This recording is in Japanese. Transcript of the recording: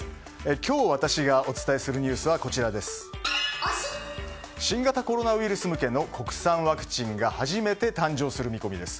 今日私がお伝えするニュースは新型コロナウイルス向けの国産ワクチンが初めて誕生する見込みです。